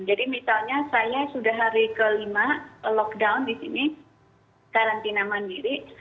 jadi misalnya saya sudah hari kelima lockdown di sini karantina mandiri